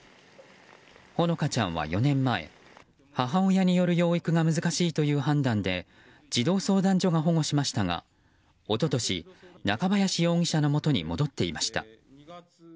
ほのかちゃんは４年前母親による養育が難しいという判断で児童相談所が保護しましたが一昨年、中林容疑者のもとに戻っていました。